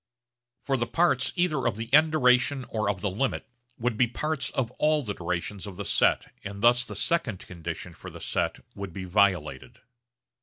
For the parts either of the end duration or of the limit would be parts of all the durations of the set and thus the second condition for the set would be violated.